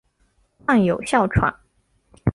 患有哮喘。